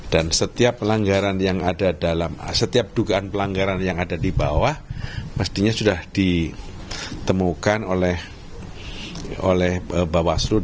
dan setiap pelanggaran yang ada dalam setiap dugaan pelanggaran yang ada di bawah mestinya sudah ditemukan oleh bawah seluruh